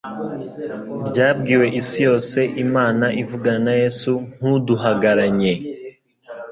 ryabwiwe isi y.ose. Imana ivugana na Yesu nk'uduhagaranye.